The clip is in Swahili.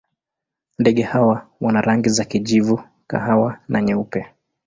Ndege hawa wana rangi za kijivu, kahawa na nyeupe.